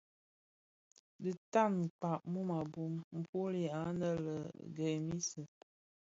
Dhi tan kpag mum a bum. Nfuli anë lè Grémisse,